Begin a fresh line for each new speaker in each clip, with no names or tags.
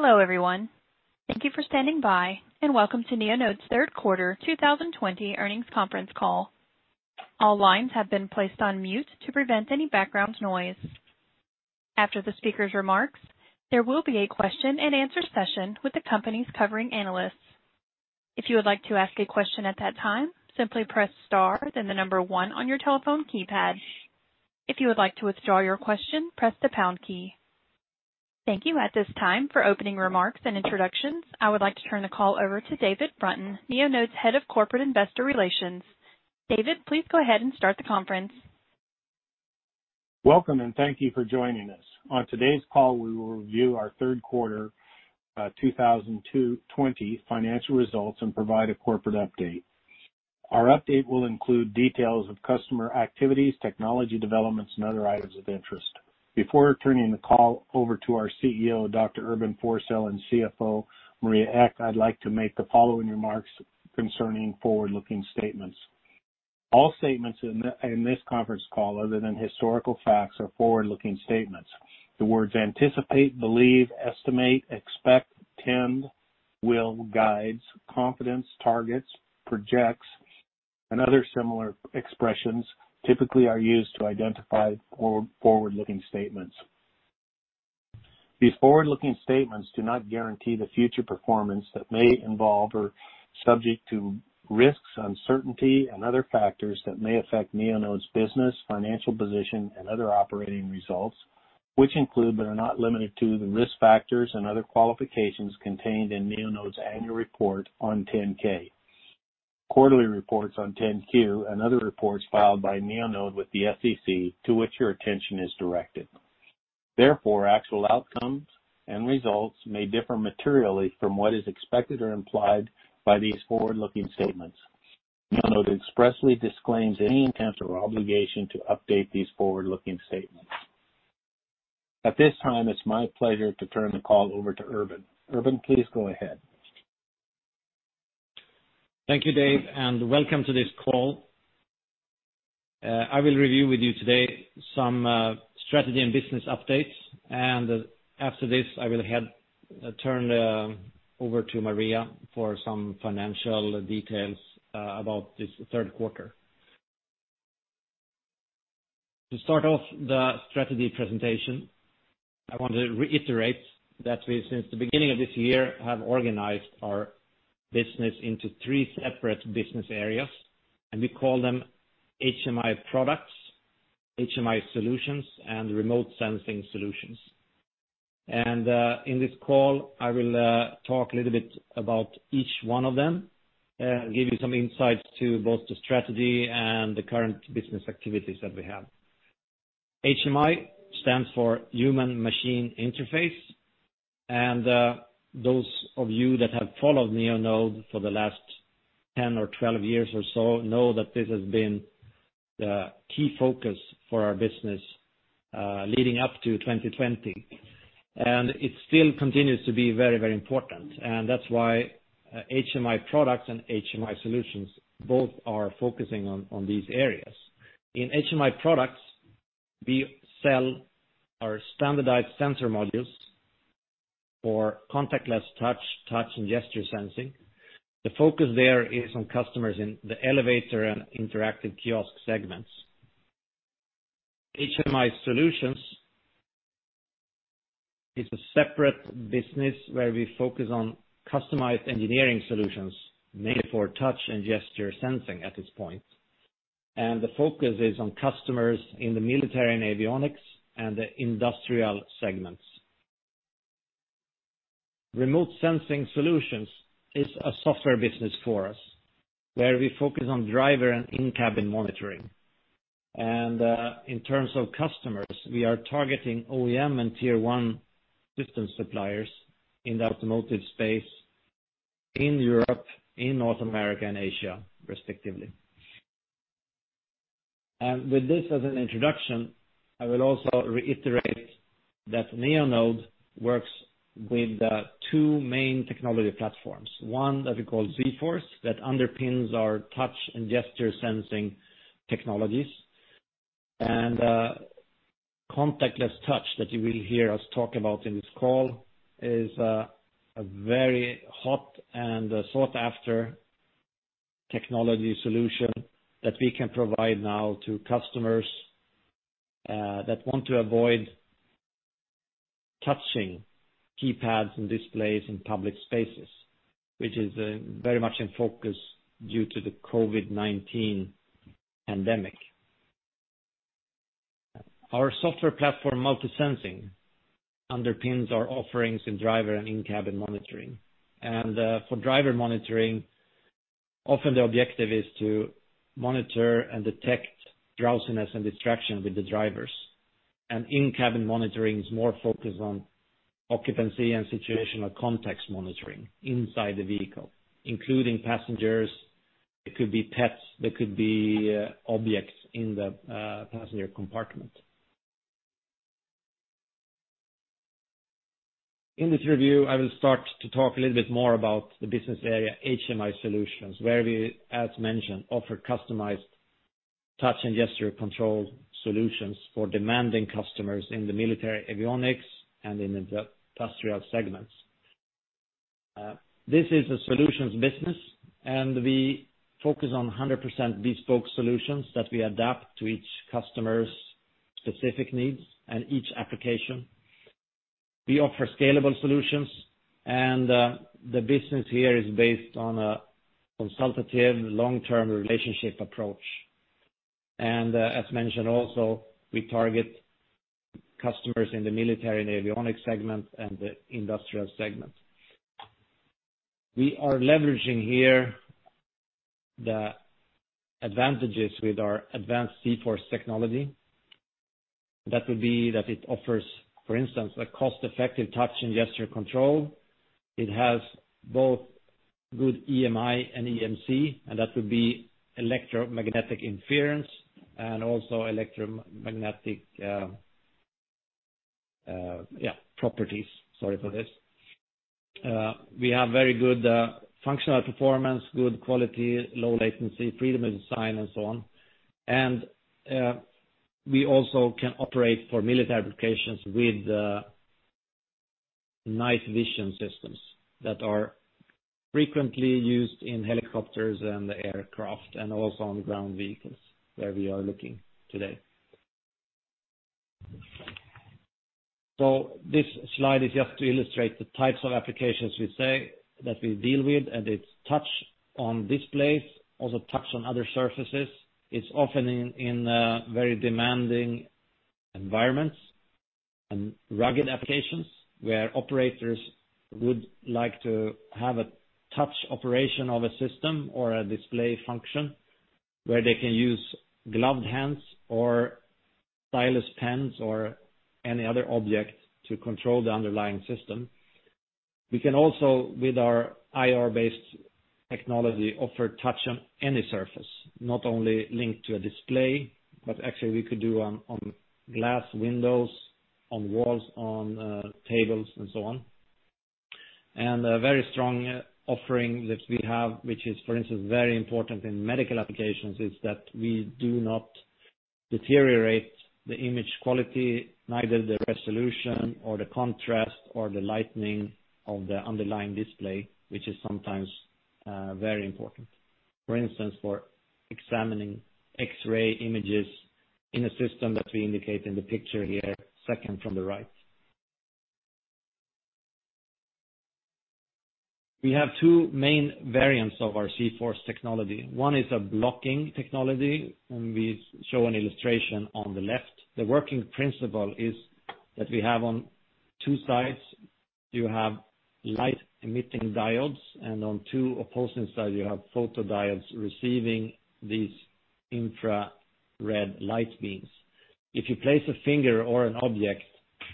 Hello, everyone. Thank you for standing by, and welcome to Neonode's Q3 2020 Earnings Conference Call. After the speaker's remarks, there will be a question-and-answer session with the company's covering analysts. At this time, for opening remarks and introductions, I would like to turn the call over to David Brunton, Neonode's Head of Corporate Investor Relations. David, please go ahead and start the conference.
Welcome, and thank you for joining us. On today's call, we will review our Q3 2020 Financial Results and provide a corporate update. Our update will include details of customer activities, technology developments, and other items of interest. Before turning the call over to our CEO, Dr. Urban Forssell, and CFO Maria Ek, I'd like to make the following remarks concerning forward-looking statements. All statements in this conference call, other than historical facts, are forward-looking statements. The words anticipate, believe, estimate, expect, intend, will, guides, confidence, targets, projects, and other similar expressions typically are used to identify forward-looking statements. These forward-looking statements do not guarantee the future performance that may involve or subject to risks, uncertainty, and other factors that may affect Neonode's business, financial position, and other operating results, which include but are not limited to the risk factors and other qualifications contained in Neonode's annual report on 10-K, quarterly reports on 10-Q, and other reports filed by Neonode with the SEC to which your attention is directed. Therefore, actual outcomes and results may differ materially from what is expected or implied by these forward-looking statements. Neonode expressly disclaims any intent or obligation to update these forward-looking statements. At this time, it's my pleasure to turn the call over to Urban. Urban, please go ahead.
Thank you, David, and welcome to this call. I will review with you today some strategy and business updates, and after this, I will hand turn over to Maria for some financial details about this Q3. To start off the strategy presentation, I want to reiterate that we, since the beginning of this year, have organized our business into three separate business areas, and we call them HMI Products, HMI Solutions, and Remote Sensing Solutions. In this call, I will talk a little bit about each one of them, give you some insights to both the strategy and the current business activities that we have. HMI stands for Human-Machine Interface. Those of you that have followed Neonode for the last 10 or 12 years or so know that this has been the key focus for our business, leading up to 2020. It still continues to be very important. That's why HMI Products and HMI Solutions both are focusing on these areas. In HMI Products, we sell our standardized sensor modules for contactless touch, and gesture sensing. The focus there is on customers in the elevator and interactive kiosk segments. HMI Solutions is a separate business where we focus on customized engineering solutions made for touch and gesture sensing at this point. The focus is on customers in the military and avionics and the industrial segments. Remote Sensing Solutions is a software business for us, where we focus on driver and in-cabin monitoring. In terms of customers, we are targeting OEM and tier one system suppliers in the automotive space in Europe, in North America, and Asia, respectively. With this as an introduction, I will also reiterate that Neonode works with two main technology platforms, one that we call zForce, that underpins our touch and gesture sensing technologies. Contactless touch that you will hear us talk about in this call is a very hot and sought-after technology solution that we can provide now to customers that want to avoid touching keypads and displays in public spaces, which is very much in focus due to the COVID-19 pandemic. Our software platform, MultiSensing, underpins our offerings in driver and in-cabin monitoring. For driver monitoring, often the objective is to monitor and detect drowsiness and distraction with the drivers. In-cabin monitoring is more focused on occupancy and situational context monitoring inside the vehicle, including passengers. It could be pets, there could be objects in the passenger compartment. In this review, I will start to talk a little bit more about the business area, HMI Solutions, where we, as mentioned, offer customized touch and gesture control solutions for demanding customers in the military avionics and in the industrial segments. This is a solutions business. We focus on 100% bespoke solutions that we adapt to each customer's specific needs and each application. We offer scalable solutions. The business here is based on a consultative long-term relationship approach. As mentioned also, we target customers in the military and avionics segment and the industrial segment. We are leveraging here the advantages with our advanced zForce technology. That would be that it offers, for instance, a cost-effective touch and gesture control. It has both good EMI and EMC. That would be electromagnetic interference and also electromagnetic properties. Sorry for this. We have very good functional performance, good quality, low latency, freedom of design and so on. We also can operate for military applications with night vision systems that are frequently used in helicopters and aircraft and also on ground vehicles where we are looking today. This slide is just to illustrate the types of applications we say that we deal with, and it's touch on displays, also touch on other surfaces. It's often in very demanding environments and rugged applications where operators would like to have a touch operation of a system or a display function where they can use gloved hands or stylus pens or any other object to control the underlying system. We can also, with our IR-based technology, offer touch on any surface, not only linked to a display, but actually we could do on glass windows, on walls, on tables and so on. A very strong offering that we have, which is, for instance, very important in medical applications, is that we do not deteriorate the image quality, neither the resolution or the contrast or the lighting of the underlying display, which is sometimes very important. For instance, for examining X-ray images in a system that we indicate in the picture here, second from the right. We have two main variants of our zForce technology. One is a blocking technology, and we show an illustration on the left. The working principle is that we have on two sides, you have light-emitting diodes, and on two opposing sides, you have photodiodes receiving these infrared light beams. If you place a finger or an object,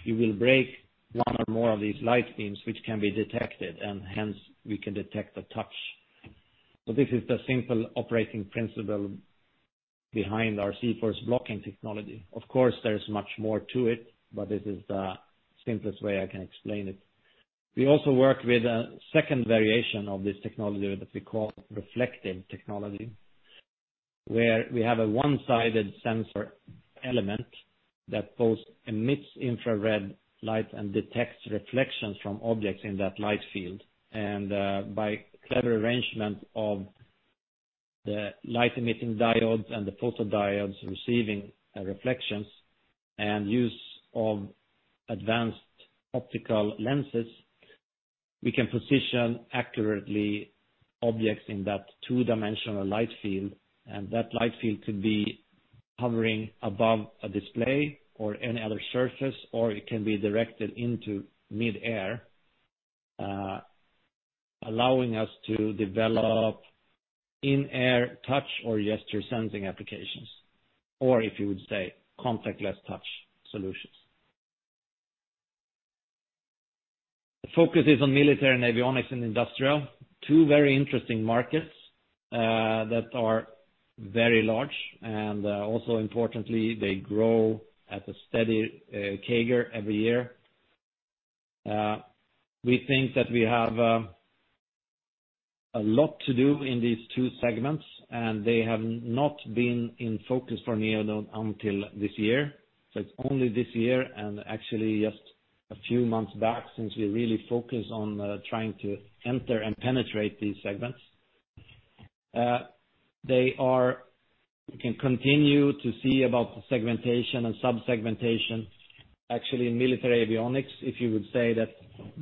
you will break one or more of these light beams, which can be detected, and hence we can detect the touch. This is the simple operating principle behind our zForce blocking technology. Of course, there's much more to it, but this is the simplest way I can explain it. We also work with a second variation of this technology that we call reflective technology, where we have a one-sided sensor element that both emits infrared light and detects reflections from objects in that light field. By clever arrangement of the light-emitting diodes and the photodiodes receiving reflections and use of advanced optical lenses, we can position accurately objects in that two-dimensional light field, and that light field could be hovering above a display or any other surface, or it can be directed into midair, allowing us to develop in-air touch or gesture sensing applications, or if you would say, contactless touch solutions. The focus is on military and avionics and industrial. Two very interesting markets that are very large and also importantly, they grow at a steady CAGR every year. We think that we have a lot to do in these two segments, and they have not been in focus for Neonode until this year. It's only this year and actually just a few months back since we really focus on trying to enter and penetrate these segments. We can continue to see about the segmentation and sub-segmentation. Actually, in military avionics, if you would say that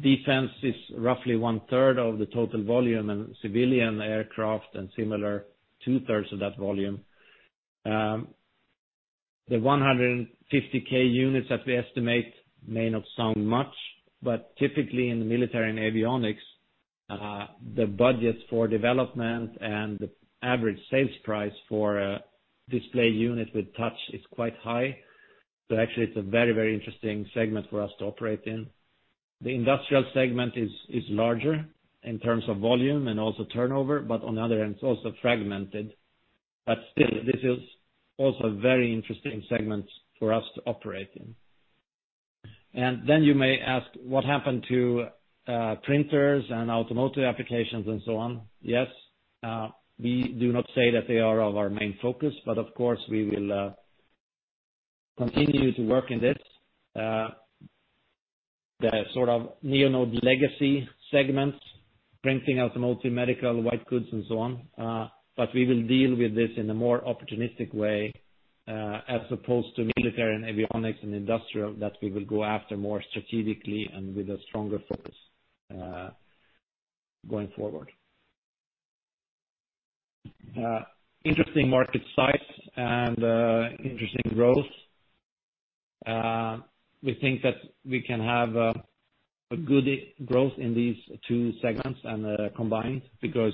defense is roughly one-third of the total volume and civilian aircraft and similar two-thirds of that volume. The 150,000 units that we estimate may not sound much, but typically in the military and avionics, the budgets for development and the average sales price for a display unit with touch is quite high. Actually it's a very interesting segment for us to operate in. The industrial segment is larger in terms of volume and also turnover, but on the other hand, it's also fragmented. Still, this is also a very interesting segment for us to operate in. Then you may ask, what happened to printers and automotive applications and so on? Yes, we do not say that they are our main focus, but of course, we will continue to work in this, the sort of Neonode legacy segments, printing, automotive, medical, white goods and so on. We will deal with this in a more opportunistic way, as opposed to military and avionics and industrial, that we will go after more strategically and with a stronger focus going forward. Interesting market size and interesting growth. We think that we can have a good growth in these two segments and combined because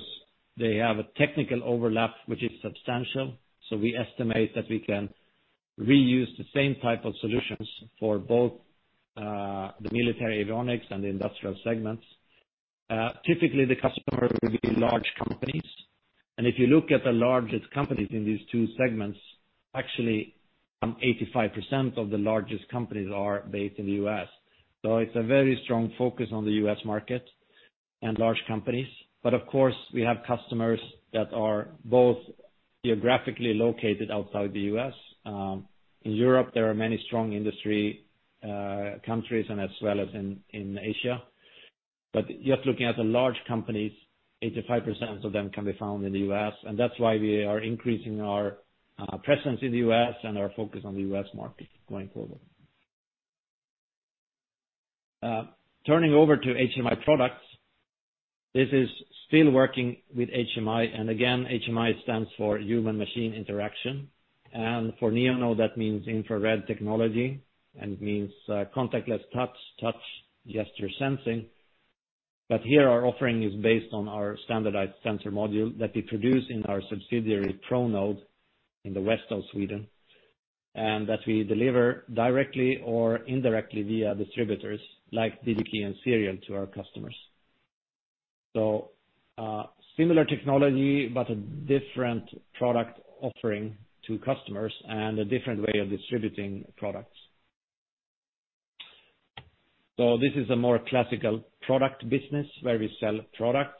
they have a technical overlap, which is substantial. We estimate that we can reuse the same type of solutions for both the military avionics and the industrial segments. Typically, the customer will be large companies. If you look at the largest companies in these two segments, actually some 85% of the largest companies are based in the U.S. It's a very strong focus on the U.S. market and large companies. Of course, we have customers that are both geographically located outside the U.S. In Europe, there are many strong industry countries and as well as in Asia. Just looking at the large companies, 85% of them can be found in the U.S. That's why we are increasing our presence in the U.S. and our focus on the U.S. market going forward. Turning over to HMI Products, this is still working with HMI. Again, HMI stands for human machine interaction. For Neonode, that means infrared technology, and it means contactless touch, gesture sensing. Here our offering is based on our standardized sensor module that we produce in our subsidiary, Pronode, in the west of Sweden, and that we deliver directly or indirectly via distributors like DigiKey and Serial to our customers. Similar technology, but a different product offering to customers and a different way of distributing products. This is a more classical product business where we sell products.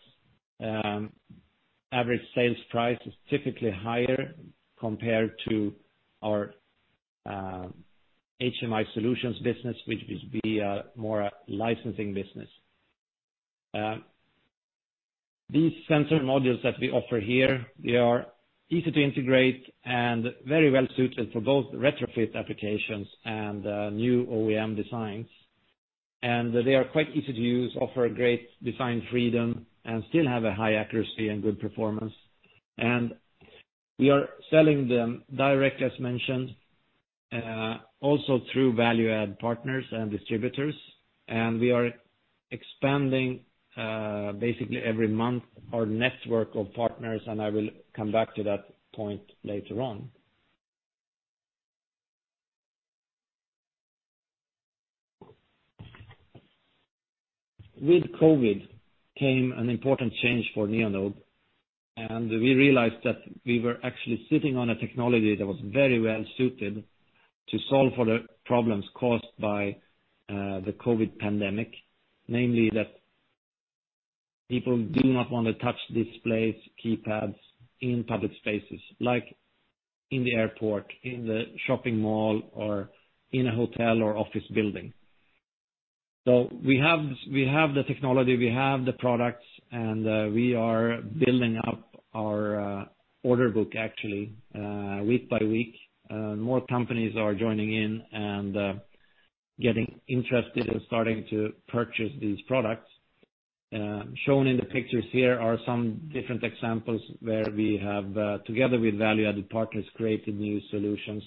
Average sales price is typically higher compared to our HMI Solutions business, which would be more a licensing business. These sensor modules that we offer here, they are easy to integrate and very well-suited for both retrofit applications and new OEM designs. They are quite easy to use, offer great design freedom, and still have a high accuracy and good performance. We are selling them direct, as mentioned, also through value-add partners and distributors. We are expanding, basically every month, our network of partners, and I will come back to that point later on. With COVID came an important change for Neonode, and we realized that we were actually sitting on a technology that was very well-suited to solve for the problems caused by the COVID pandemic, namely that people do not want to touch displays, keypads in public spaces, like in the airport, in the shopping mall, or in a hotel or office building. We have the technology, we have the products, and we are building up our order book actually, week by week. More companies are joining in and getting interested in starting to purchase these products. Shown in the pictures here are some different examples where we have, together with value-added partners, created new solutions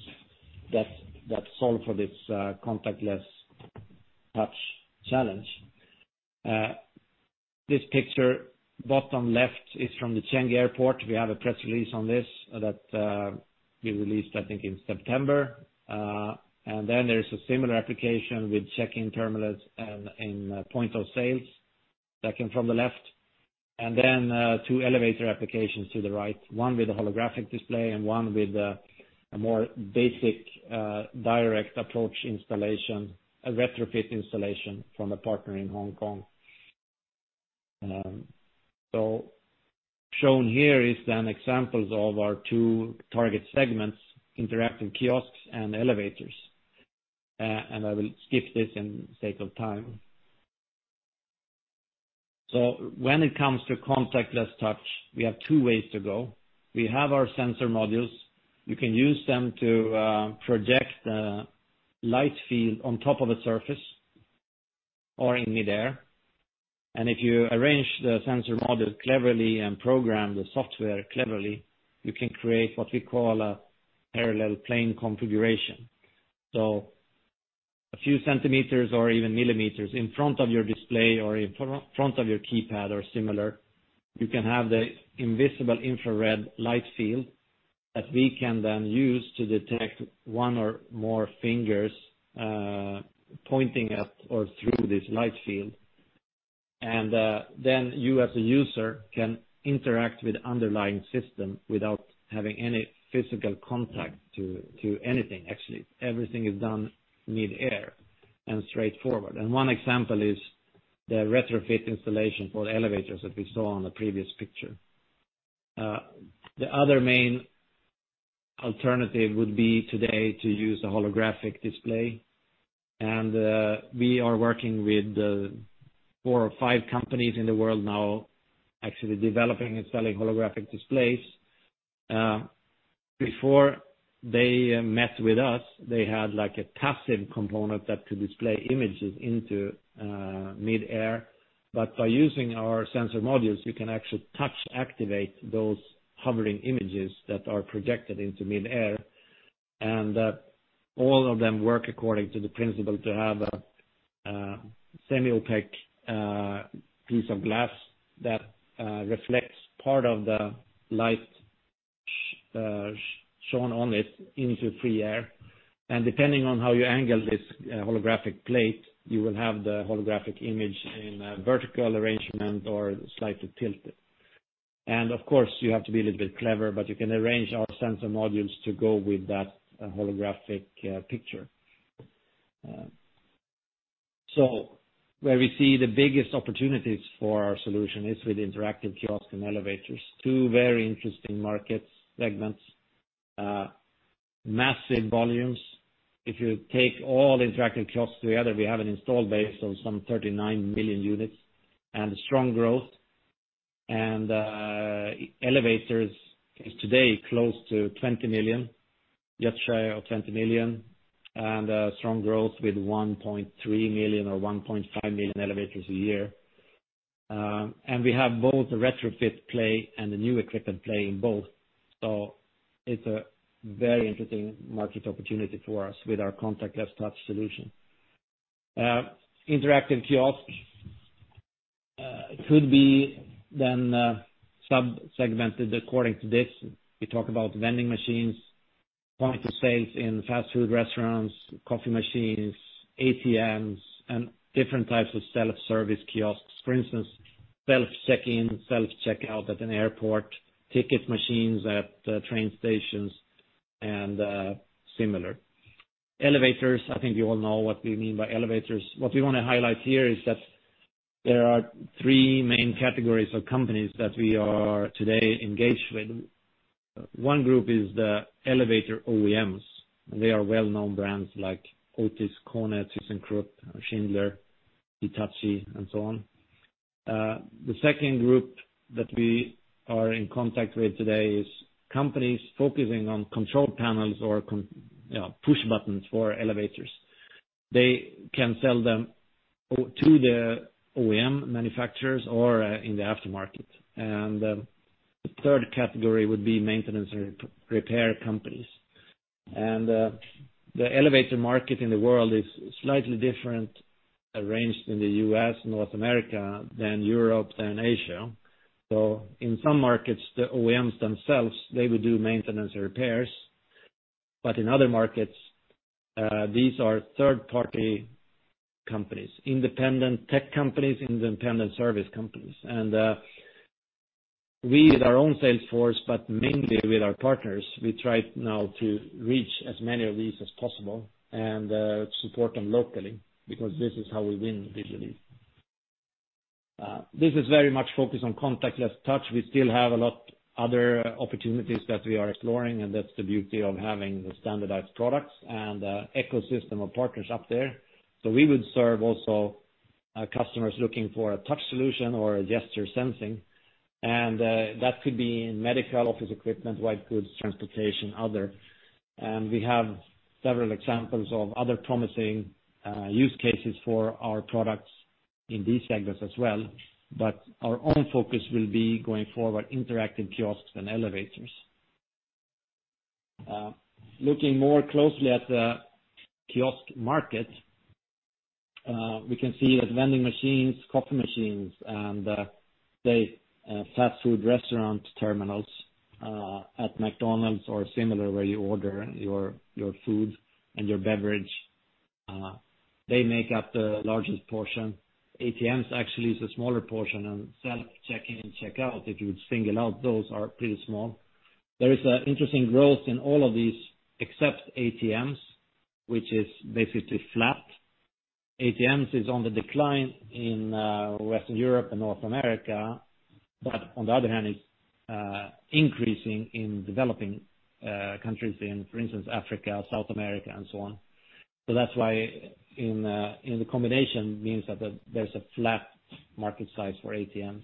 that solve for this contactless touch challenge. This picture, bottom left, is from the Changi Airport. We have a press release on this that we released, I think, in September. There's a similar application with check-in terminals and in point of sales, second from the left. Two elevator applications to the right, one with a holographic display and one with a more basic direct approach installation, a retrofit installation from a partner in Hong Kong. Shown here is then examples of our two target segments, interactive kiosks and elevators. I will skip this in the sake of time. When it comes to contactless touch, we have two ways to go. We have our sensor modules. You can use them to project a light field on top of a surface or in midair. If you arrange the sensor module cleverly and program the software cleverly, you can create what we call a parallel plane configuration. A few centimeters or even millimeters in front of your display or in front of your keypad or similar, you can have the invisible infrared light field that we can then use to detect one or more fingers, pointing at or through this light field. Then you, as a user, can interact with the underlying system without having any physical contact to anything, actually. Everything is done mid-air and straightforward. One example is the retrofit installation for the elevators that we saw on the previous picture. The other main alternative would be today to use a holographic display. We are working with four or five companies in the world now, actually developing and selling holographic displays. Before they met with us, they had a capacitive component that could display images into mid-air. By using our sensor modules, you can actually touch-activate those hovering images that are projected into mid-air. All of them work according to the principle to have a semi-opaque piece of glass that reflects part of the light shone on it into free air. Depending on how you angle this holographic plate, you will have the holographic image in a vertical arrangement or slightly tilted. Of course, you have to be a little bit clever, but you can arrange our sensor modules to go with that holographic picture. Where we see the biggest opportunities for our solution is with interactive kiosks and elevators. Two very interesting market segments. Massive volumes. If you take all interactive kiosks together, we have an installed base of some 39 million units and strong growth. Elevators is today just shy of 20 million, and strong growth with 1.3 million or 1.5 million elevators a year. We have both the retrofit play and the new equipment play in both. It's a very interesting market opportunity for us with our contactless touch solution. Interactive kiosks could be then sub-segmented according to this. We talk about vending machines, point of sales in fast food restaurants, coffee machines, ATMs, and different types of self-service kiosks. For instance, self-check-in, self-checkout at an airport, ticket machines at train stations, and similar. Elevators, I think you all know what we mean by elevators. What we want to highlight here is that there are three main categories of companies that we are today engaged with. One group is the elevator OEMs, and they are well-known brands like Otis, KONE, ThyssenKrupp, Schindler, Hitachi, and so on. The second group that we are in contact with today is companies focusing on control panels or push buttons for elevators. They can sell them to the OEM manufacturers or in the aftermarket. The third category would be maintenance and repair companies. The elevator market in the world is slightly different arranged in the U.S., North America, than Europe, than Asia. In some markets, the OEMs themselves, they will do maintenance and repairs. In other markets, these are third-party companies, independent tech companies, independent service companies. We, with our own sales force, but mainly with our partners, we try now to reach as many of these as possible and support them locally, because this is how we win digitally. This is very much focused on contactless touch. We still have a lot other opportunities that we are exploring, and that's the beauty of having the standardized products and the ecosystem of partners up there. We would serve also customers looking for a touch solution or a gesture sensing, and that could be in medical office equipment, white goods, transportation, other. We have several examples of other promising use cases for our products in these segments as well. Our own focus will be going forward interactive kiosks and elevators. Looking more closely at the kiosk market, we can see that vending machines, coffee machines, and the fast food restaurant terminals at McDonald's or similar, where you order your food and your beverage, they make up the largest portion. ATMs actually is a smaller portion, and self check-in and check-out, if you would single out those, are pretty small. There is an interesting growth in all of these except ATMs, which is basically flat. ATMs is on the decline in Western Europe and North America, but on the other hand, it's increasing in developing countries in, for instance, Africa, South America, and so on. That's why in the combination means that there's a flat market size for ATMs.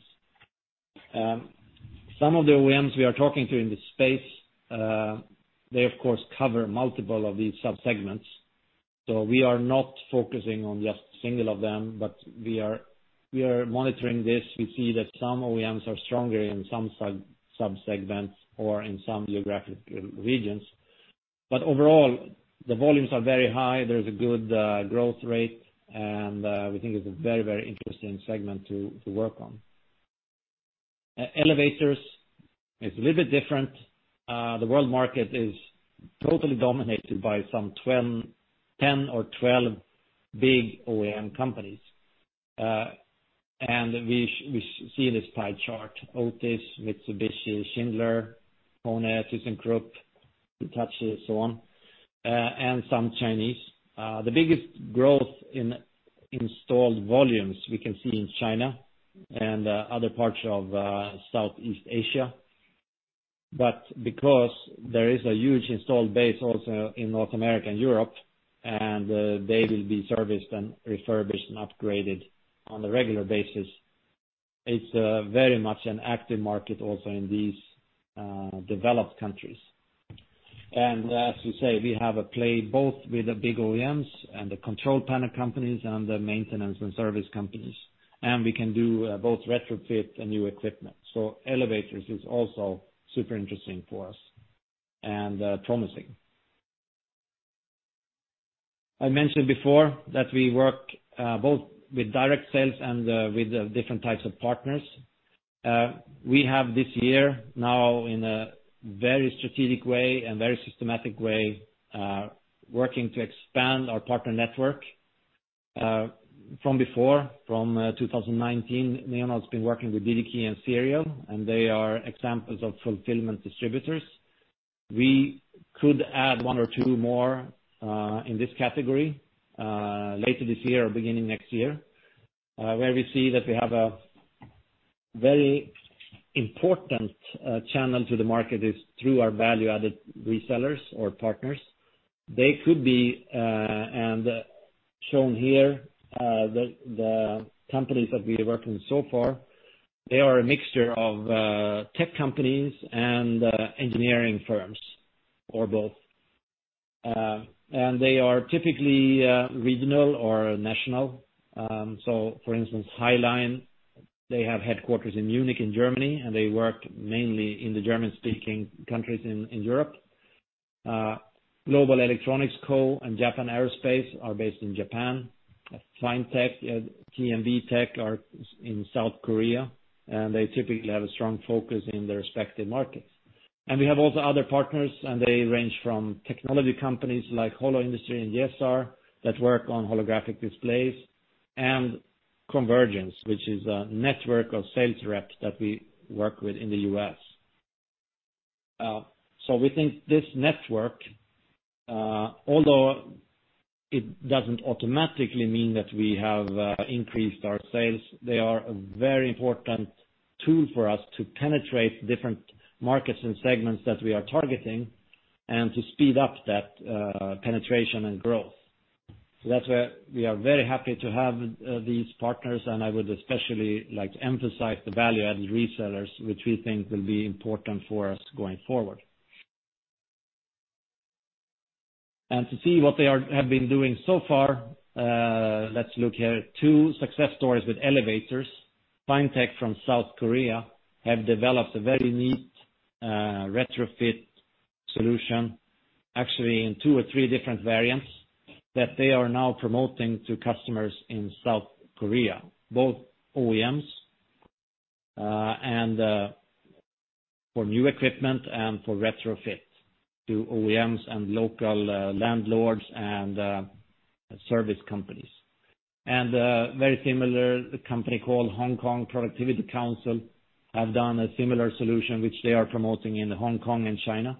Some of the OEMs we are talking to in this space, they of course cover multiple of these sub-segments. We are not focusing on just a single of them. We are monitoring this. We see that some OEMs are stronger in some sub-segments or in some geographic regions. Overall, the volumes are very high. There's a good growth rate, and we think it's a very interesting segment to work on. Elevators is a little bit different. The world market is totally dominated by some 10 or 12 big OEM companies. We see this pie chart, Otis, Mitsubishi, Schindler, KONE, ThyssenKrupp, Hitachi, so on, and some Chinese. The biggest growth in installed volumes we can see in China and other parts of Southeast Asia. Because there is a huge installed base also in North America and Europe, and they will be serviced and refurbished and upgraded on a regular basis, it's very much an active market also in these developed countries. As we say, we have a play both with the big OEMs and the control panel companies and the maintenance and service companies. We can do both retrofit and new equipment. Elevators is also super interesting for us and promising. I mentioned before that we work both with direct sales and with different types of partners. We have this year now in a very strategic way and very systematic way, working to expand our partner network. From before, from 2019, Neonode's been working with DigiKey and Serial, and they are examples of fulfillment distributors. We could add one or two more in this category later this year or beginning next year, where we see that we have a very important channel to the market is through our value-added resellers or partners. They could be, and shown here, the companies that we are working with so far, they are a mixture of tech companies and engineering firms or both. They are typically regional or national. For instance, HY-LINE, they have headquarters in Munich in Germany, and they work mainly in the German-speaking countries in Europe. Global Electronics Co and Japan Aerospace are based in Japan. Finetek and C&V Tech are in South Korea, and they typically have a strong focus in their respective markets. We have also other partners, and they range from technology companies like Holo Industries and YesAR that work on holographic displays, and Convergence, which is a network of sales reps that we work with in the U.S. We think this network, although it doesn't automatically mean that we have increased our sales, they are a very important tool for us to penetrate different markets and segments that we are targeting and to speed up that penetration and growth. That's why we are very happy to have these partners, and I would especially like to emphasize the value-added resellers, which we think will be important for us going forward. To see what they have been doing so far, let's look here at two success stories with elevators. Finetek from South Korea have developed a very neat retrofit solution, actually in two or three different variants that they are now promoting to customers in South Korea, both OEMs, and for new equipment and for retrofits to OEMs and local landlords and service companies. Very similar, a company called Hong Kong Productivity Council have done a similar solution which they are promoting in Hong Kong and China.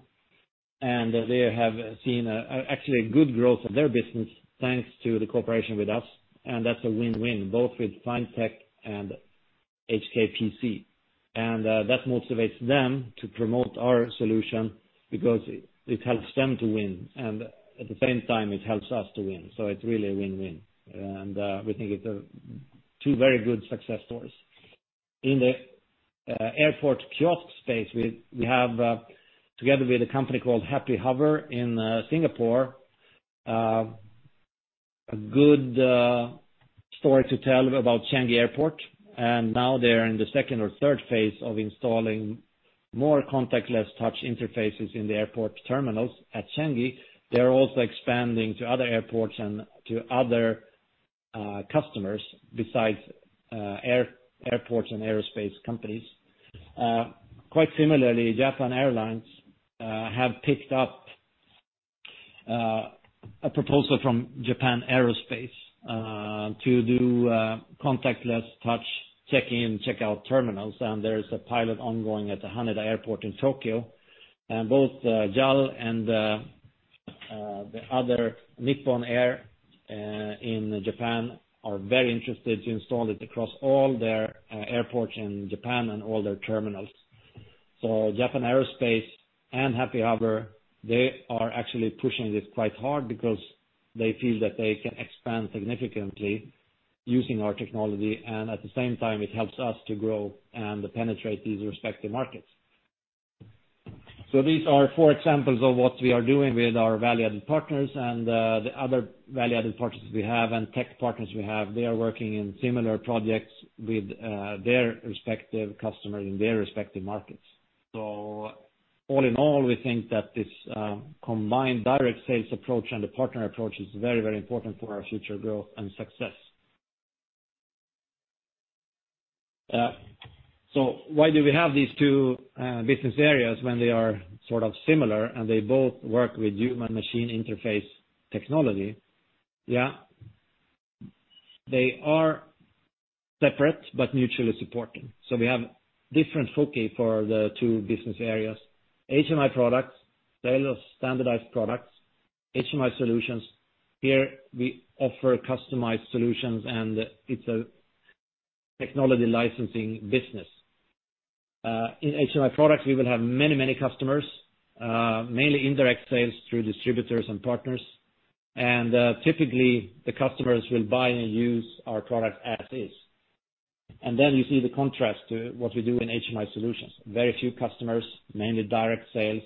They have seen actually a good growth of their business thanks to the cooperation with us. That's a win-win both with Finetek and HKPC. That motivates them to promote our solution because it helps them to win and at the same time it helps us to win. It's really a win-win. We think it's two very good success stories. In the airport kiosk space, we have, together with a company called Happy Hover in Singapore, a good story to tell about Changi Airport, and now they're in the second or third phase of installing more contactless touch interfaces in the airport terminals at Changi. They're also expanding to other airports and to other customers besides airports and aerospace companies. Quite similarly, Japan Airlines have picked up a proposal from Japan Aerospace to do contactless touch check-in, check-out terminals. There's a pilot ongoing at the Haneda Airport in Tokyo. Both JAL and the other, Nippon Air in Japan are very interested to install it across all their airports in Japan and all their terminals. Japan Aerospace and Happy Hover, they are actually pushing this quite hard because they feel that they can expand significantly using our technology, and at the same time, it helps us to grow and penetrate these respective markets. These are four examples of what we are doing with our value-added partners and the other value-added partners we have and tech partners we have. They are working in similar projects with their respective customers in their respective markets. All in all, we think that this combined direct sales approach and the partner approach is very important for our future growth and success. Why do we have these two business areas when they are sort of similar and they both work with human machine interface technology? Yeah. They are separate but mutually supporting. We have different focus for the two business areas. HMI Products, sale of standardized products. HMI Solutions, here we offer customized solutions, and it's a technology licensing business. In HMI Products, we will have many customers, mainly indirect sales through distributors and partners. Typically the customers will buy and use our product as is. You see the contrast to what we do in HMI Solutions. Very few customers, mainly direct sales,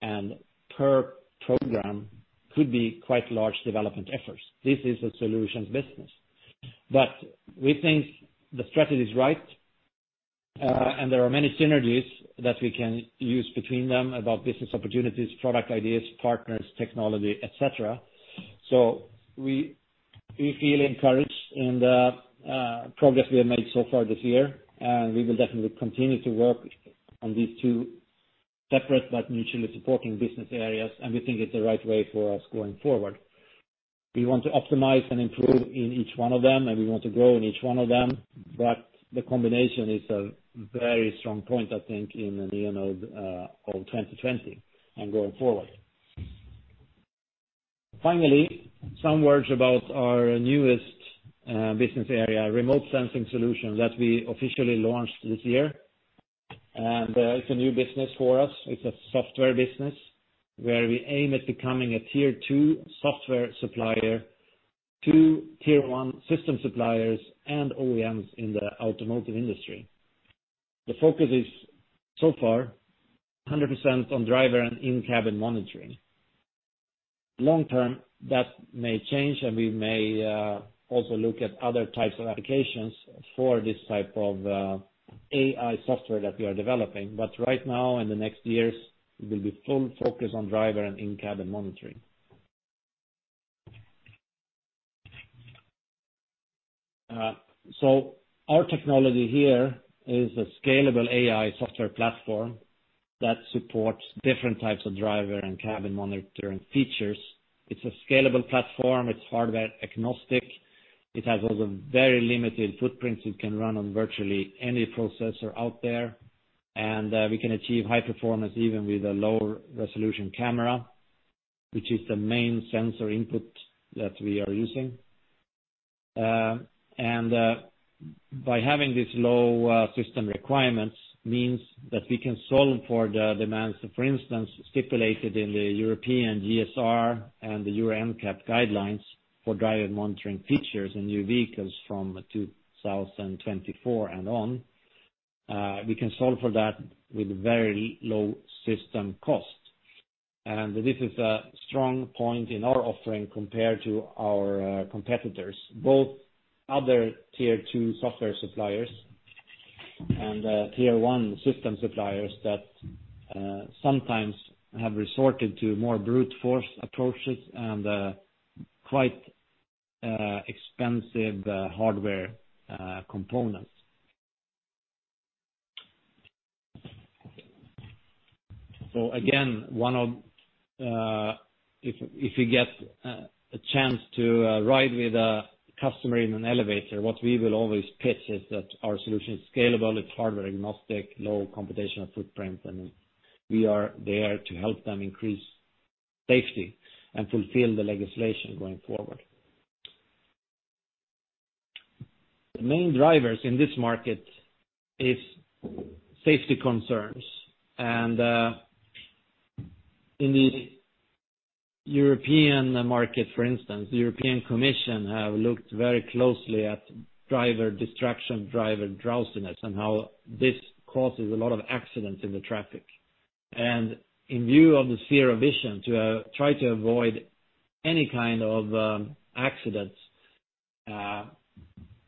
and per program could be quite large development efforts. This is a solutions business. We think the strategy is right, and there are many synergies that we can use between them about business opportunities, product ideas, partners, technology, et cetera. We feel encouraged in the progress we have made so far this year, and we will definitely continue to work on these two separate but mutually supporting business areas, and we think it's the right way for us going forward. We want to optimize and improve in each one of them, and we want to grow in each one of them. The combination is a very strong point, I think, in Neonode of 2020 and going forward. Finally, some words about our newest business area, Remote Sensing Solutions that we officially launched this year. It's a new business for us. It's a software business where we aim at becoming a Tier 2 software supplier to Tier 1 system suppliers and OEMs in the automotive industry. The focus is, so far, 100% on driver and in-cabin monitoring. Long term, that may change, and we may also look at other types of applications for this type of AI software that we are developing. Right now, in the next years, we will be fully focused on driver and in-cabin monitoring. Our technology here is a scalable AI software platform that supports different types of driver and cabin monitoring features. It's a scalable platform. It's hardware agnostic. It has also very limited footprints. It can run on virtually any processor out there. We can achieve high performance even with a lower resolution camera, which is the main sensor input that we are using. By having these low system requirements means that we can solve for the demands, for instance, stipulated in the European GSR and the Euro NCAP guidelines for driver monitoring features in new vehicles from 2024 and on. We can solve for that with very low system cost. This is a strong point in our offering compared to our competitors, both other Tier 2 software suppliers and Tier 1 system suppliers that sometimes have resorted to more brute force approaches and quite expensive hardware components. Again, if you get a chance to ride with a customer in an elevator, what we will always pitch is that our solution is scalable, it's hardware agnostic, low computational footprint, and we are there to help them increase safety and fulfill the legislation going forward. The main drivers in this market is safety concerns. In the European market, for instance, the European Commission have looked very closely at driver distraction, driver drowsiness, and how this causes a lot of accidents in the traffic. In view of the sphere of vision, to try to avoid any kind of accidents,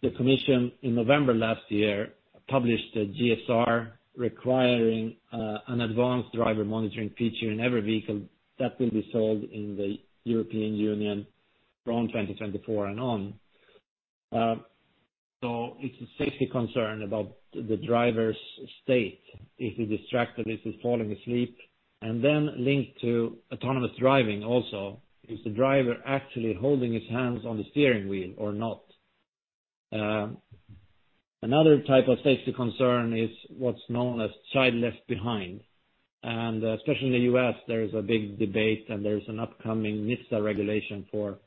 the commission in November last year published a GSR requiring an advanced driver monitoring feature in every vehicle that will be sold in the European Union from 2024 and on. It's a safety concern about the driver's state. Is he distracted? Is he falling asleep? Then linked to autonomous driving also, is the driver actually holding his hands on the steering wheel or not? Another type of safety concern is what's known as child left behind. Especially in the U.S., there is a big debate and there's an upcoming NHTSA regulation for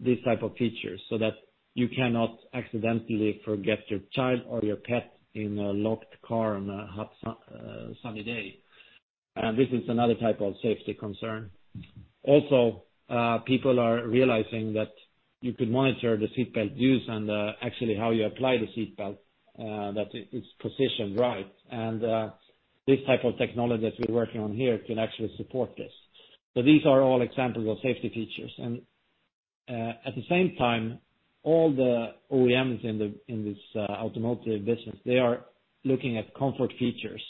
this type of feature so that you cannot accidentally forget your child or your pet in a locked car on a hot, sunny day. This is another type of safety concern. Also, people are realizing that you could monitor the seatbelt use and actually how you apply the seatbelt, that it's positioned right. This type of technology that we're working on here can actually support this. These are all examples of safety features. At the same time, all the OEMs in this automotive business, they are looking at comfort features.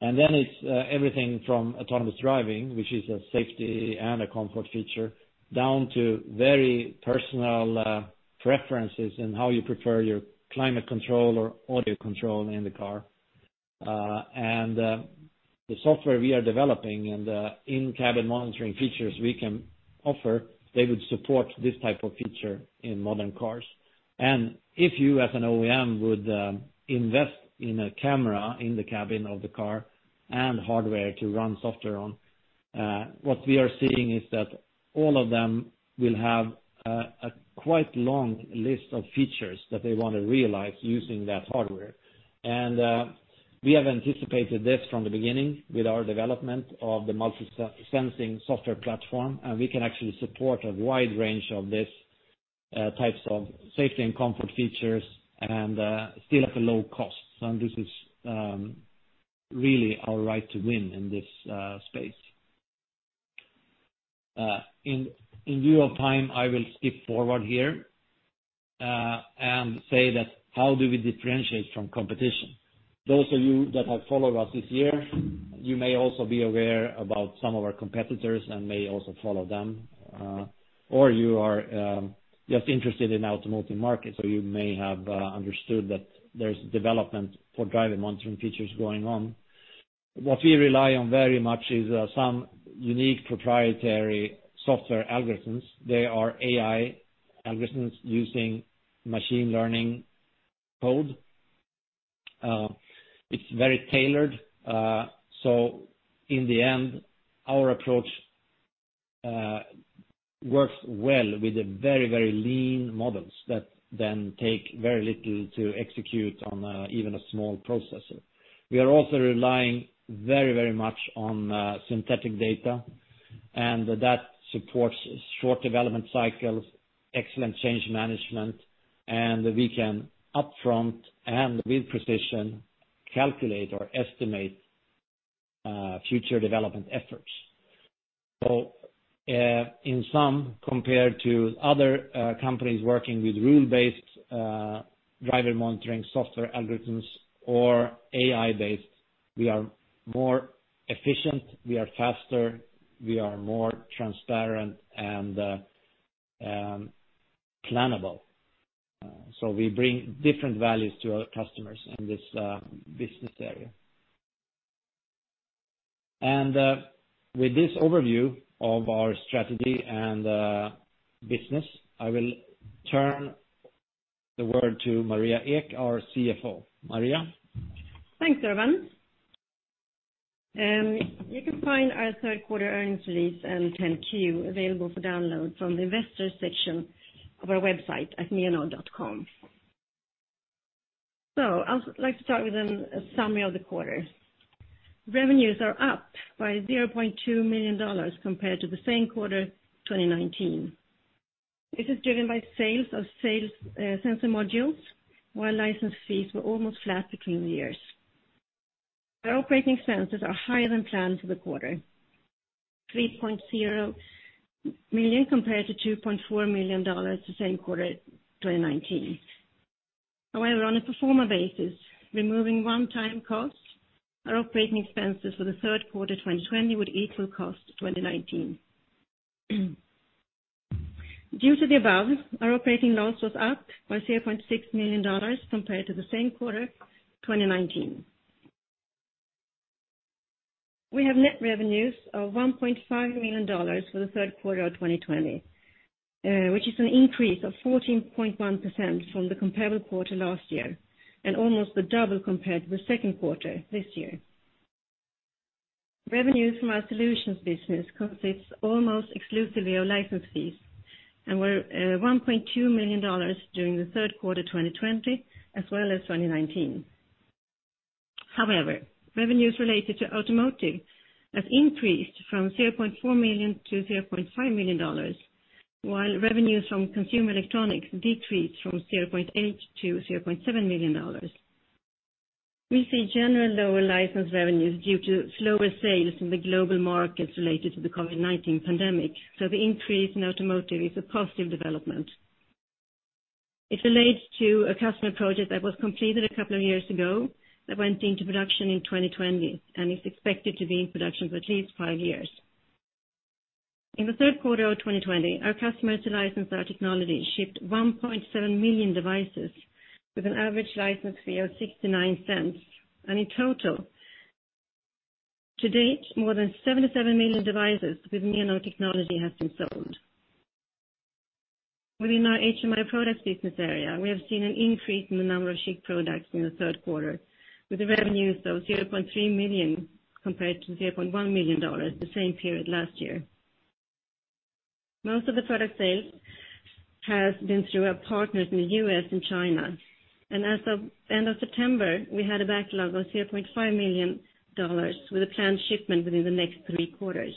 It's everything from autonomous driving, which is a safety and a comfort feature, down to very personal preferences in how you prefer your climate control or audio control in the car. The software we are developing and the in-cabin monitoring features we can offer, they would support this type of feature in modern cars. If you, as an OEM, would invest in a camera in the cabin of the car and hardware to run software on, what we are seeing is that all of them will have a quite long list of features that they want to realize using that hardware. We have anticipated this from the beginning with our development of the MultiSensing software platform, and we can actually support a wide range of these types of safety and comfort features and still at a low cost. This is really our right to win in this space. In view of time, I will skip forward here, and say that how do we differentiate from competition? Those of you that have followed us this year, you may also be aware about some of our competitors and may also follow them. You are just interested in automotive market, you may have understood that there's development for driver monitoring features going on. What we rely on very much is some unique proprietary software algorithms. They are AI algorithms using machine learning code. It's very tailored. In the end, our approach works well with the very lean models that take very little to execute on even a small processor. We are also relying very much on synthetic data, that supports short development cycles, excellent change management, we can upfront and with precision, calculate or estimate future development efforts. In sum, compared to other companies working with rule-based driver monitoring software algorithms or AI-based, we are more efficient, we are faster, we are more transparent and plannable. We bring different values to our customers in this business area. With this overview of our strategy and business, I will turn the word to Maria Ek, our CFO. Maria?
Thanks, everyone. You can find our Q3 earnings release and 10-Q available for download from the Investors section of our website at neonode.com. I'd like to start with a summary of the quarter. Revenues are up by $0.2 million compared to the same quarter 2019. This is driven by sales of sensor modules, while license fees were almost flat between the years. Our operating expenses are higher than planned for the quarter, $3.0 million compared to $2.4 million the same quarter 2019. However, on a pro forma basis, removing one-time costs, our operating expenses for the Q3 2020 would equal cost 2019. Due to the above, our operating loss was up by $0.6 million compared to the same quarter 2019. We have net revenues of $1.5 million for the Q3 of 2020, which is an increase of 14.1% from the comparable quarter last year, and almost double compared to the Q2 this year. Revenues from our solutions business consists almost exclusively of license fees and were $1.2 million during the Q3 2020 as well as 2019. However, revenues related to automotive have increased from $0.4 million-$0.5 million, while revenues from consumer electronics decreased from $0.8 million-$0.7 million. We see general lower license revenues due to slower sales in the global markets related to the COVID-19 pandemic, so the increase in automotive is a positive development. It relates to a customer project that was completed a couple of years ago that went into production in 2020, and is expected to be in production for at least five years. In the Q3 of 2020, our customers who license our technology shipped 1.7 million devices with an average license fee of $0.69. In total, to date, more than 77 million devices with Neonode technology have been sold. Within our HMI Products business area, we have seen an increase in the number of shipped products in the Q3, with revenues of $0.3 million compared to $0.1 million the same period last year. Most of the product sales has been through our partners in the U.S. and China, and as of end of September, we had a backlog of $0.5 million with a planned shipment within the next three quarters.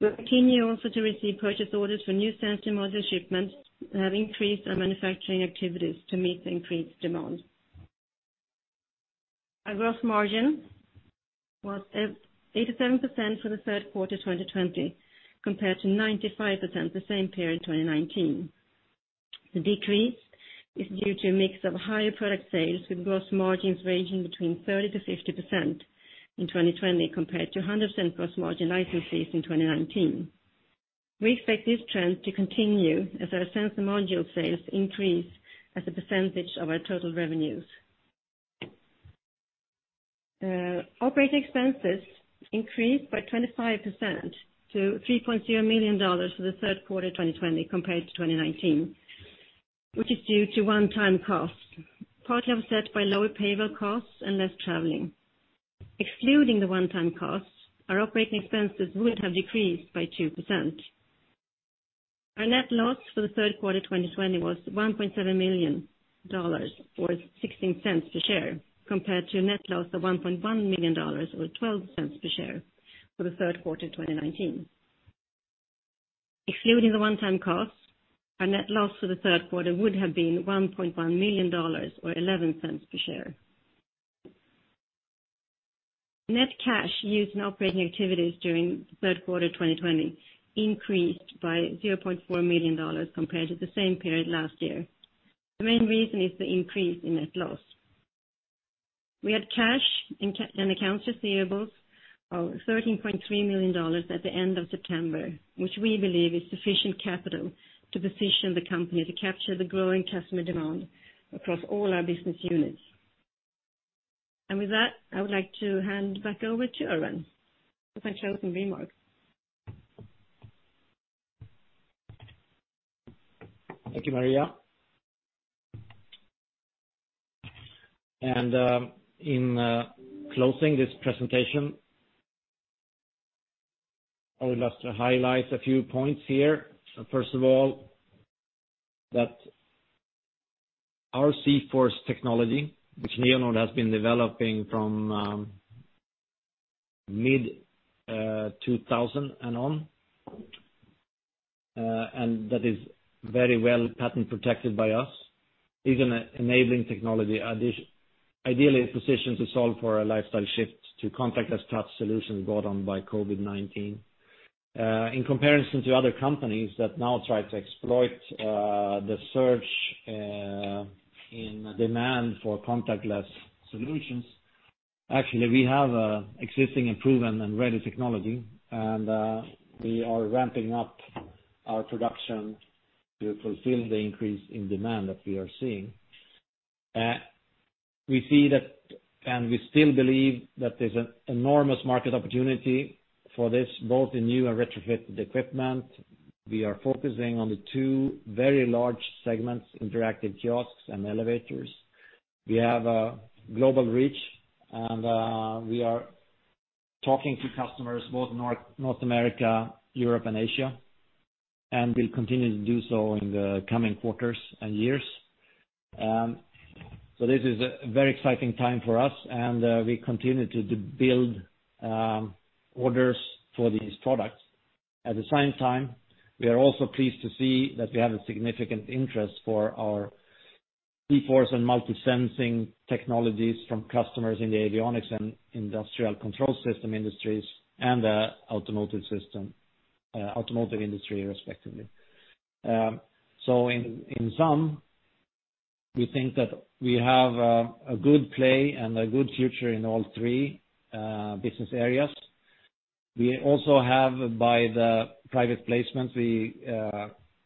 We continue also to receive purchase orders for new sensor module shipments that have increased our manufacturing activities to meet the increased demand. Our gross margin was 87% for the Q3 2020, compared to 95% the same period 2019. The decrease is due to a mix of higher product sales with gross margins ranging between 30%-50% in 2020 compared to 100% gross margin licenses in 2019. We expect this trend to continue as our sensor module sales increase as a percentage of our total revenues. Operating expenses increased by 25% to $3.0 million for the Q3 2020 compared to 2019, which is due to one-time costs, partly offset by lower payroll costs and less traveling. Excluding the one-time costs, our operating expenses would have decreased by 2%. Our net loss for the Q3 2020 was $1.7 million, or $0.16 per share, compared to a net loss of $1.1 million or $0.12 per share for the Q3 2019. Excluding the one-time costs, our net loss for the Q3 would have been $1.1 million or $0.11 per share. Net cash used in operating activities during the Q3 2020 increased by $0.4 million compared to the same period last year. The main reason is the increase in net loss. We had cash and accounts receivables of $13.3 million at the end of September, which we believe is sufficient capital to position the company to capture the growing customer demand across all our business units. With that, I would like to hand back over to Urban for some closing remarks.
Thank you, Maria. In closing this presentation, I would like to highlight a few points here. First of all, that our zForce technology, which Neonode has been developing from mid-2000 and on, and that is very well patent protected by us, is an enabling technology ideally positioned to solve for a lifestyle shift to contactless touch solutions brought on by COVID-19. In comparison to other companies that now try to exploit the surge in demand for contactless solutions, actually, we have existing and proven and ready technology, and we are ramping up our production to fulfill the increase in demand that we are seeing. We see that, and we still believe that there's an enormous market opportunity for this, both in new and retrofitted equipment. We are focusing on the two very large segments, interactive kiosks and elevators. We have a global reach. We are talking to customers, both North America, Europe, and Asia, and will continue to do so in the coming quarters and years. This is a very exciting time for us, and we continue to build orders for these products. At the same time, we are also pleased to see that we have a significant interest for our zForce and MultiSensing technologies from customers in the avionics and industrial control system industries and the automotive industry, respectively. In sum, we think that we have a good play and a good future in all three business areas. We also have, by the private placement we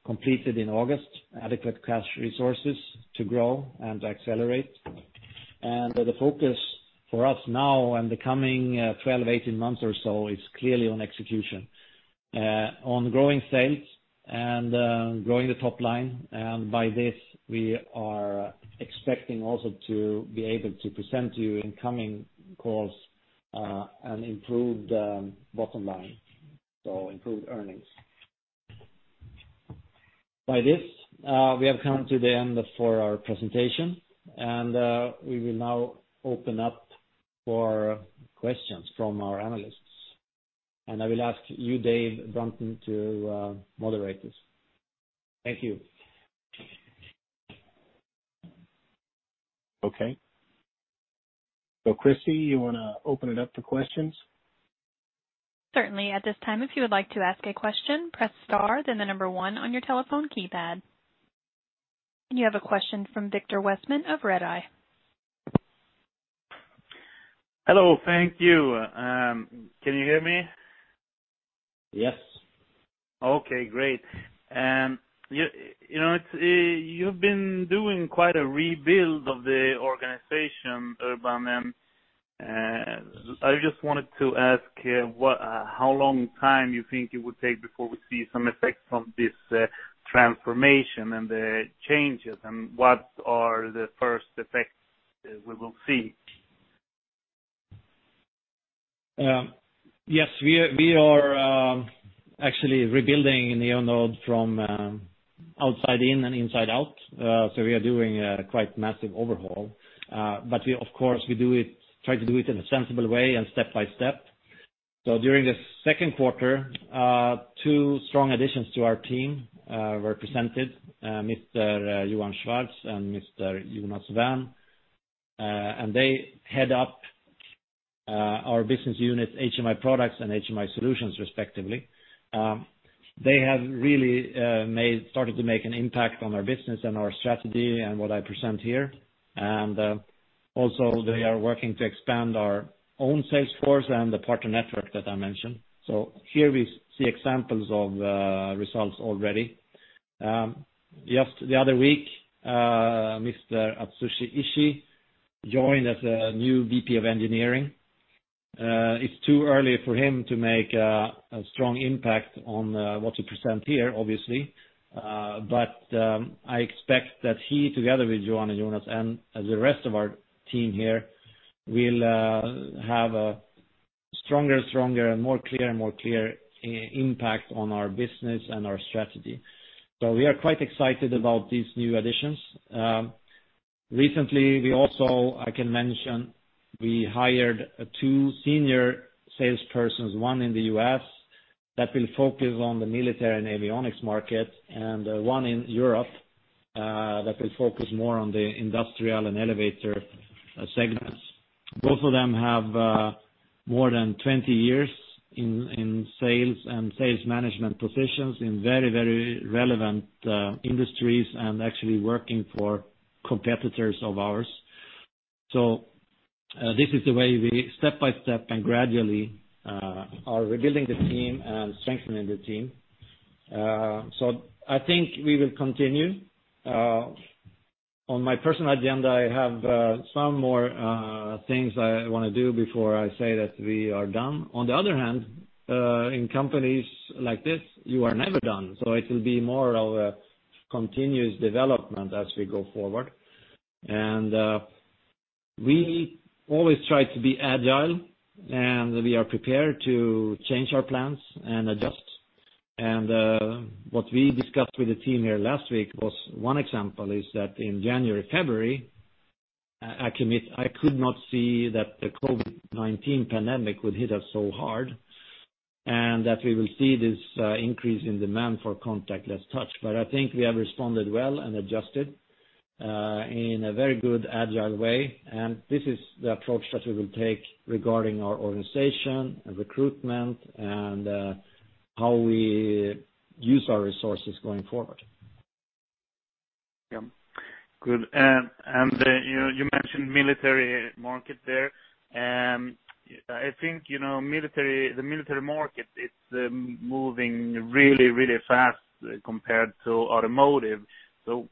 completed in August, adequate cash resources to grow and accelerate. The focus for us now in the coming 12 to 18 months or so is clearly on execution, on growing sales and growing the top line. By this, we are expecting also to be able to present to you in coming calls an improved bottom line, so improved earnings. By this, we have come to the end for our presentation, and we will now open up for questions from our analysts. I will ask you, David Brunton, to moderate this. Thank you.
Okay. Christy, you want to open it up to questions?
You have a question from Viktor Westman of Redeye.
Hello. Thank you. Can you hear me?
Yes.
Okay, great. You've been doing quite a rebuild of the organization, Urban, and I just wanted to ask how long time you think it would take before we see some effects from this transformation and the changes, and what are the first effects we will see?
Yes. We are actually rebuilding Neonode from outside in and inside out. We are doing a quite massive overhaul. Of course, we try to do it in a sensible way and step by step. During the Q2, two strong additions to our team were presented, Mr. Johan Swartz and Mr. Jonas Wærn. They head up our business unit, HMI Products and HMI Solutions respectively. They have really started to make an impact on our business and our strategy and what I present here. Also they are working to expand our own sales force and the partner network that I mentioned. Here we see examples of results already. Just the other week, Mr. Atsushi Ishii joined as a new VP of Engineering. It is too early for him to make a strong impact on what we present here, obviously. I expect that he, together with Johan and Jonas and the rest of our team here, will have a stronger and more clear impact on our business and our strategy. We are quite excited about these new additions. Recently we also, I can mention, we hired two senior salespersons, one in the U.S. that will focus on the military and avionics market, and one in Europe, that will focus more on the industrial and elevator segments. Both of them have more than 20 years in sales and sales management positions in very relevant industries and actually working for competitors of ours. This is the way we step by step and gradually are rebuilding the team and strengthening the team. I think we will continue. On my personal agenda, I have some more things I want to do before I say that we are done. On the other hand, in companies like this, you are never done. It will be more of a continuous development as we go forward. We always try to be agile, and we are prepared to change our plans and adjust. What we discussed with the team here last week was one example, is that in January, February, I could not see that the COVID-19 pandemic would hit us so hard, and that we will see this increase in demand for contactless touch. I think we have responded well and adjusted, in a very good agile way. This is the approach that we will take regarding our organization and recruitment and how we use our resources going forward.
Yeah. Good. You mentioned military market there. I think the military market, it's moving really fast compared to automotive, in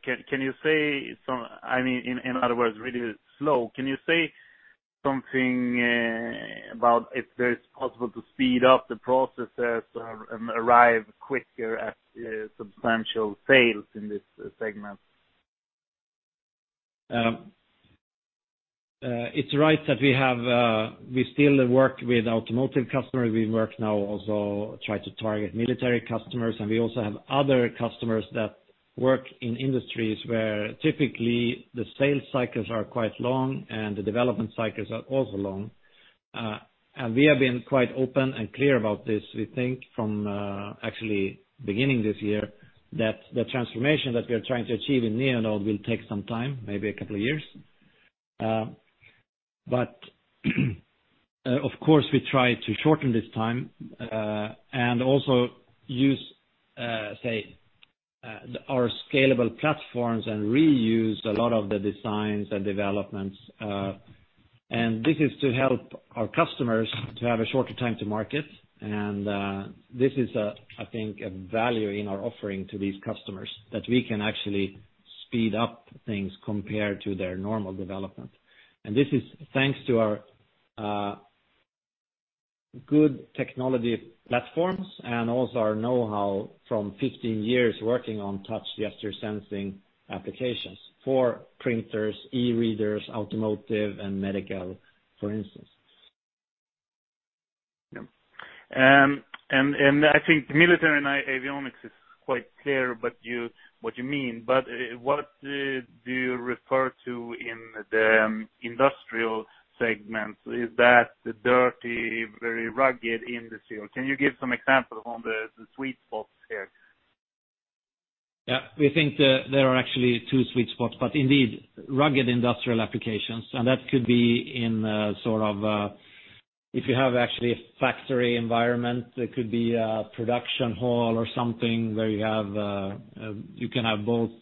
other words, really slow. Can you say something about if it's possible to speed up the processes or arrive quicker at substantial sales in this segment?
It's right that we still work with automotive customers. We work now also try to target military customers, and we also have other customers that work in industries where typically the sales cycles are quite long, and the development cycles are also long. We have been quite open and clear about this. We think from actually beginning this year that the transformation that we are trying to achieve in Neonode will take some time, maybe a couple of years. Of course we try to shorten this time, and also use our scalable platforms and reuse a lot of the designs and developments. This is to help our customers to have a shorter time to market. This is, I think, a value in our offering to these customers that we can actually speed up things compared to their normal development. This is thanks to our good technology platforms and also our knowhow from 15 years working on touch gesture sensing applications for printers, e-readers, automotive and medical, for instance.
Yeah. I think military and avionics is quite clear what you mean, but what do you refer to in the industrial segment? Is that the dirty, very rugged industry? Can you give some example on the sweet spots here?
Yeah. Indeed, rugged industrial applications, and that could be in, sort of, if you have actually a factory environment, it could be a production hall or something where you can have both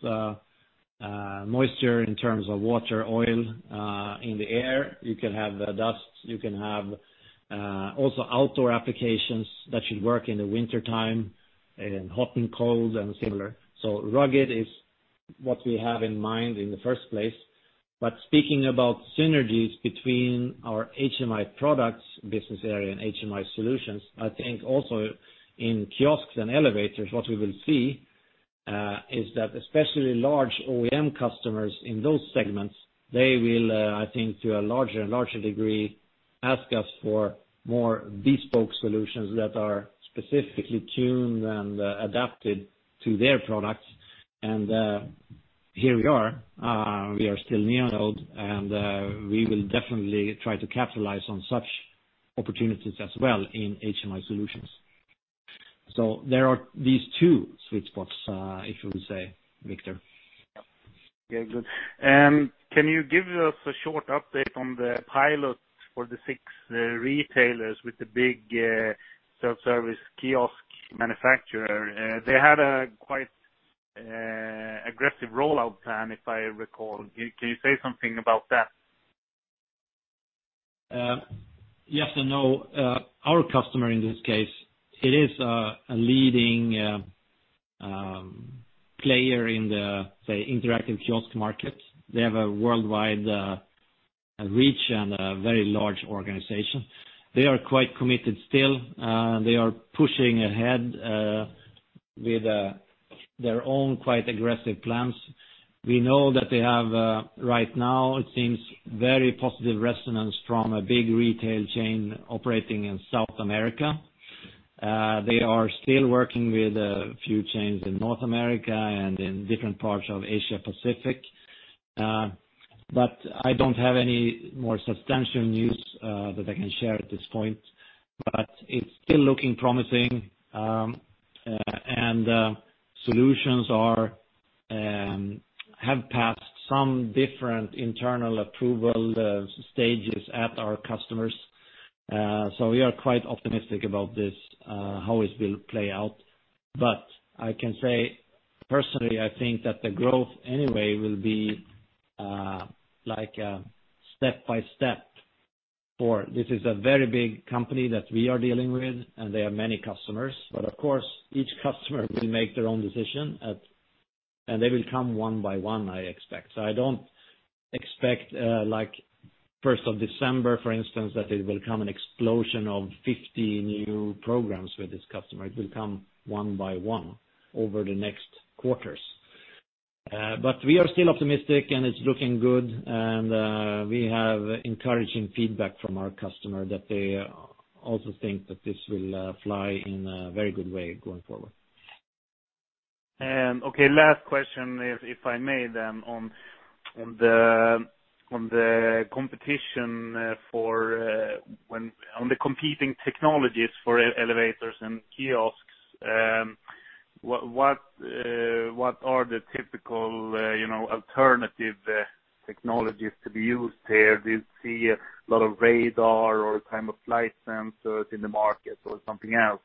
moisture in terms of water, oil, in the air. You can have dusts, you can have also outdoor applications that should work in the wintertime in hot and cold and similar. Rugged is what we have in mind in the first place. Speaking about synergies between our HMI Products business area and HMI Solutions, I think also in kiosks and elevators, what we will see, is that especially large OEM customers in those segments, they will, I think to a larger and larger degree, ask us for more bespoke solutions that are specifically tuned and adapted to their products. Here we are. We are still Neonode, we will definitely try to capitalize on such opportunities as well in HMI Solutions. There are these two sweet spots, if you would say, Viktor.
Yeah. Okay, good. Can you give us a short update on the pilot for the six retailers with the big self-service kiosk manufacturer? They had a quite aggressive rollout plan, if I recall. Can you say something about that?
Yes and no. Our customer, in this case, it is a leading player in the interactive kiosk market. They have a worldwide reach and a very large organization. They are quite committed still. They are pushing ahead with their own quite aggressive plans. We know that they have right now, it seems, very positive resonance from a big retail chain operating in South America. They are still working with a few chains in North America and in different parts of Asia Pacific. I don't have any more substantial news that I can share at this point. It's still looking promising, and solutions have passed some different internal approval stages at our customers. We are quite optimistic about this, how it will play out. I can say personally, I think that the growth anyway will be step by step, for this is a very big company that we are dealing with, and they have many customers. Of course, each customer will make their own decision, and they will come one by one, I expect. I don't expect like 1st of December, for instance, that it will come an explosion of 50 new programs with this customer. It will come one by one over the next quarters. We are still optimistic and it's looking good, and we have encouraging feedback from our customer that they also think that this will fly in a very good way going forward.
Last question is, if I may, on the competing technologies for elevators and kiosks, what are the typical alternative technologies to be used there? Do you see a lot of radar or time-of-flight sensors in the market or something else?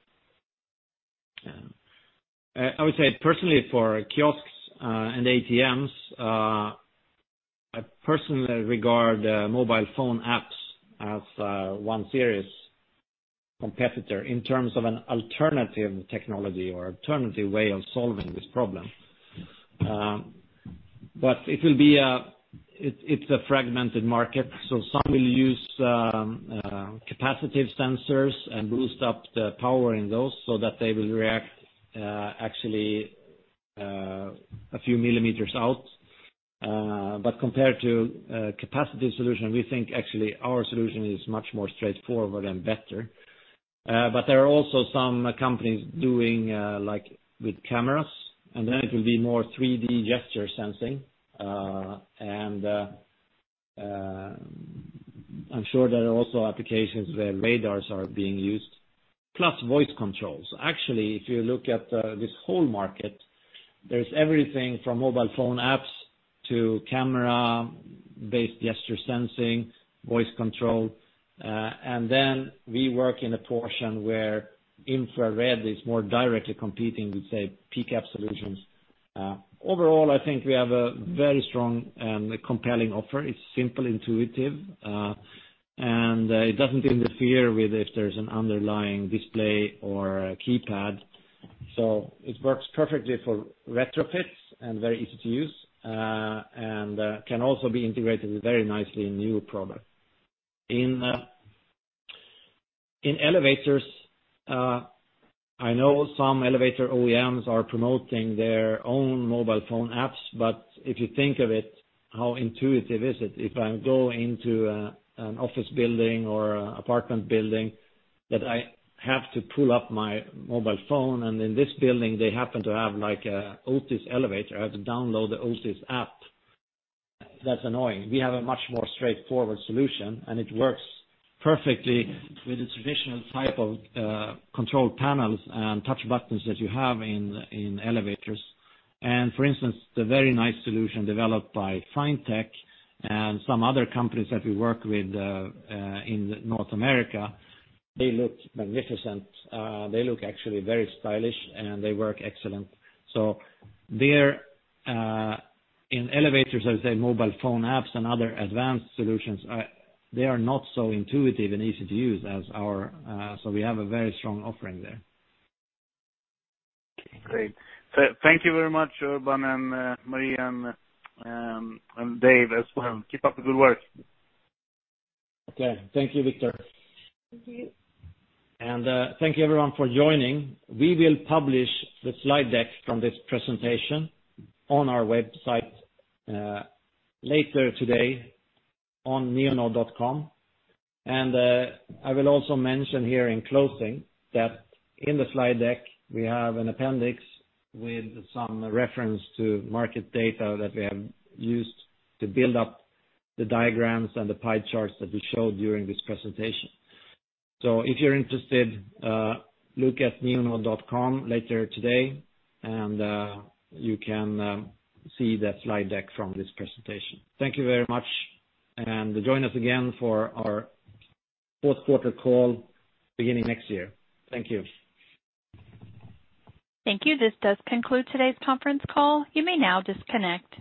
I would say personally for kiosks and ATMs, I personally regard mobile phone apps as one serious competitor in terms of an alternative technology or alternative way of solving this problem. It's a fragmented market, some will use capacitive sensors and boost up the power in those so that they will react actually a few millimeters out. Compared to a capacitive solution, we think actually our solution is much more straightforward and better. There are also some companies doing with cameras, it will be more 3D gesture sensing. I'm sure there are also applications where radars are being used, plus voice controls. Actually, if you look at this whole market, there's everything from mobile phone apps to camera-based gesture sensing, voice control. We work in a portion where infrared is more directly competing with, say, PCAP solutions. Overall, I think we have a very strong and compelling offer. It's simple, intuitive, and it doesn't interfere if there's an underlying display or a keypad. It works perfectly for retrofits and very easy to use, and can also be integrated very nicely in new products. In elevators, I know some elevator OEMs are promoting their own mobile phone apps, but if you think of it, how intuitive is it? If I go into an office building or apartment building that I have to pull up my mobile phone, and in this building, they happen to have an Otis elevator, I have to download the Otis app. That's annoying. We have a much more straightforward solution, and it works perfectly with the traditional type of control panels and touch buttons that you have in elevators. For instance, the very nice solution developed by Finetek and some other companies that we work with in North America, they look magnificent. They look actually very stylish, and they work excellent. In elevators, I would say mobile phone apps and other advanced solutions, they are not so intuitive and easy to use as ours, so we have a very strong offering there.
Okay, great. Thank you very much, Urban and Maria, and David as well. Keep up the good work.
Okay. Thank you, Viktor. Thank you everyone for joining. We will publish the slide deck from this presentation on our website later today on neonode.com. I will also mention here in closing that in the slide deck, we have an appendix with some reference to market data that we have used to build up the diagrams and the pie charts that we showed during this presentation. If you're interested, look at neonode.com later today, and you can see the slide deck from this presentation. Thank you very much, and join us again for our Q4 call beginning next year. Thank you.
Thank you. This does conclude today's conference call. You may now disconnect.